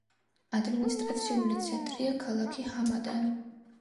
ადმინისტრაციული ცენტრია ქალაქი ჰამადანი.